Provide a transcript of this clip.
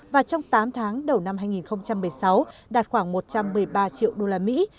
và trong tám tháng đầu năm hai nghìn một mươi sáu đạt khoảng một trăm một mươi ba triệu đô la mỹ